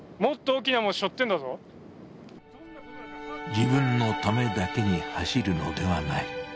自分のためだけに走るのではない。